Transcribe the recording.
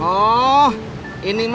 tau orang mati ini gak